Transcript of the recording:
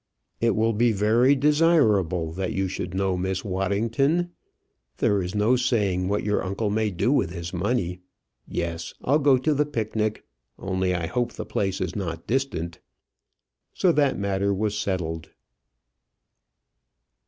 "It will be very desirable that you should know Miss Waddington. There is no saying what your uncle may do with his money. Yes, I'll go to the picnic; only I hope the place is not distant." So that matter was settled.